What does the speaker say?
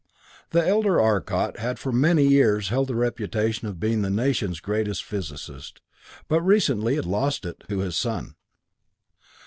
The elder Arcot had for many years held the reputation of being the nation's greatest physicist, but recently he had lost it to his son.